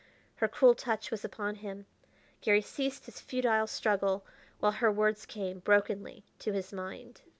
Her cool touch was upon him; Garry ceased his futile struggle while her words came, brokenly to his mind.